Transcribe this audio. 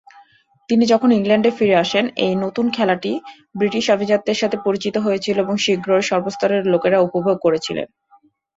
তিনি যখন ইংল্যান্ডে ফিরে আসেন, এই "নতুন" খেলাটি ব্রিটিশ আভিজাত্যের সাথে পরিচিত হয়েছিল এবং শীঘ্রই সর্বস্তরের লোকেরা উপভোগ করেছিলেন।